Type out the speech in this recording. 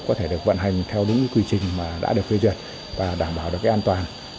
có thể được vận hành theo đúng quy trình mà đã được phê duyệt và đảm bảo được cái an toàn